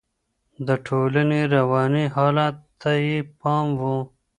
د ټولنې رواني حالت ته يې پام و.